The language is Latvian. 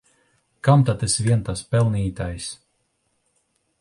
Kam tad es vien tas pelnītājs!